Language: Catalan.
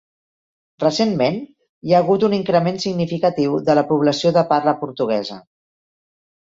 Recentment, hi ha hagut un increment significatiu de la població de parla portuguesa.